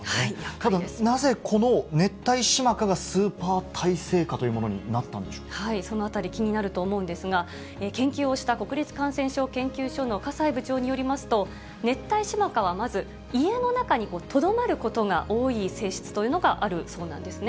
ただ、なぜこのネッタイシマカがスーパー耐性蚊というものになったんでそのあたり、気になると思うんですが、研究をした国立感染症研究所の葛西部長によりますと、ネッタイシマカはまず、家の中にとどまることが多い性質というのがあるそうなんですね。